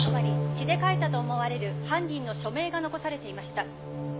血で書いたと思われる犯人の署名が残されていました。